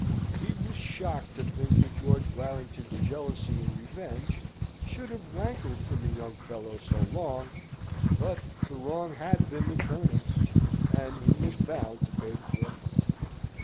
He was shocked to think that George Warrington's jealousy and revenge should have rankled in the young fellow so long but the wrong had been the Colonel's, and he was bound to pay the forfeit.